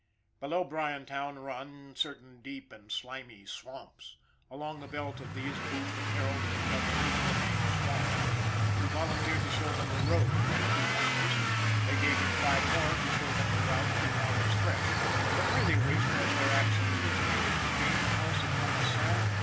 Below Bryantown run certain deep and slimy swamps, along the belt of these Booth and Harold picked up a negro named Swan, who volunteered to show them the road for two dollars; they gave him five more to show them the route to Allen's Fresh, but really wished, as their actions intimated, to gain the house of one Sam.